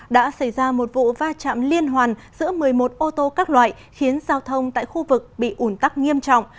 đã xảy ra một vụ va chạm liên hoàn giữa một mươi một ô tô các loại khiến giao thông tại khu vực bị ủn tắc nghiêm trọng